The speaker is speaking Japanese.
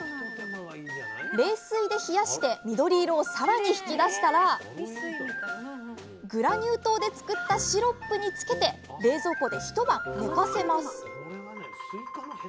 冷水で冷やして緑色を更に引き出したらグラニュー糖で作ったシロップに漬けて冷蔵庫で一晩寝かせます。